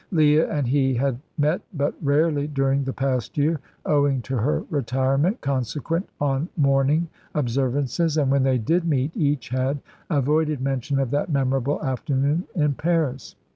Leah and he had met but rarely during the past year, owing to her retirement consequent on mourning observances, and when they did meet each had avoided mention of that memorable afternoon in Paris.